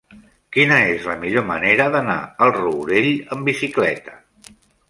Quina és la millor manera d'anar al Rourell amb bicicleta?